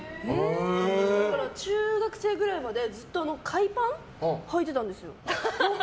だから中学生くらいまで海パンはいてたんですよ。